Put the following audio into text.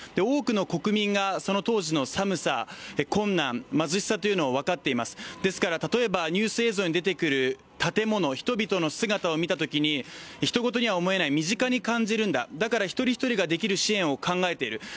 多くの国民がその当時の寒さ、困難、貧しさというのを分かっていますから、例えばニュース映像に出てくる建物、人々の姿を見たときにひと事と思えない身近に感じるんだ、だから一人一人ができる支援を考えている